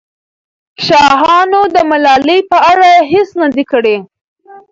شاهانو د ملالۍ په اړه هېڅ نه دي کړي.